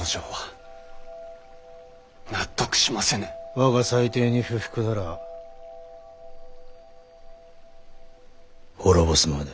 我が裁定に不服なら滅ぼすまで。